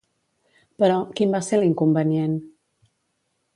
Però, quin va ser l'inconvenient?